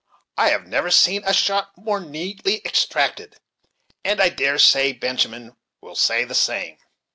I have never seen a shot more neatly extracted; and I dare say Benjamin will say the same."